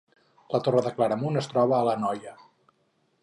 La Torre de Claramunt es troba a l’Anoia